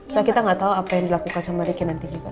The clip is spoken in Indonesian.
soalnya kita nggak tahu apa yang dilakukan sama ricky nanti juga